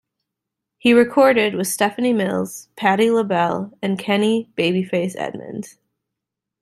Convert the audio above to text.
He recorded with Stephanie Mills, Patti LaBelle, and Kenny "Babyface" Edmonds.